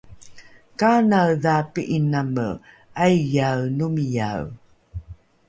Kaanaedha pi'iname aiyaenomiyae?